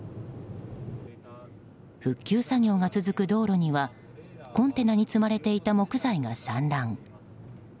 復旧作業が続く道路にはコンテナに積まれていた木材が散乱。